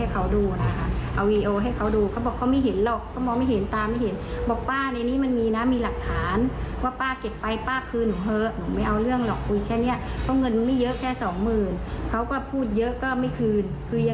ก็ไม่คืนคือยังไงพูดยังไงพูดดีกันแล้วก็ไม่คืน